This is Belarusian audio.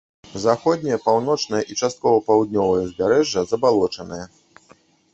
Заходняе, паўночнае і часткова паўднёвае ўзбярэжжа забалочаныя.